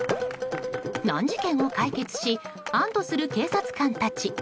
難事件を解決し安堵する警察官たち。